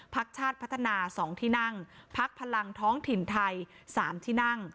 พักชาติพัฒนา๒ที่นั่งพักพลังท้องถิ่นไทย๓ที่นั่ง